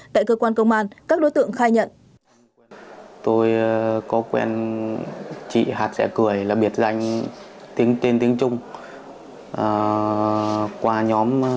tại cơ quan công an các đối tượng khai nhận